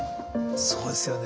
そうですよね。